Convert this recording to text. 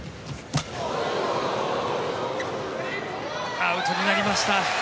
アウトになりました。